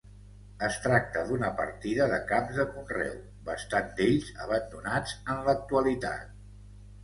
Es tracta d'una partida de camps de conreu, bastants d'ells abandonats en l'actualitat.